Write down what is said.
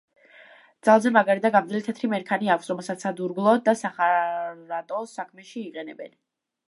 ძალზე მაგარი და გამძლე თეთრი მერქანი აქვს, რომელსაც სადურგლო და სახარატო საქმეში იყენებენ.